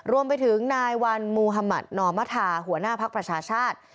รวมไปถึงนายวันมุธมัธนอมธาหัวหน้าภักดิ์ประชาชาติ